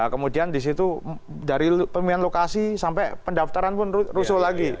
kemudian di situ dari pemilihan lokasi sampai pendaftaran pun rusuh lagi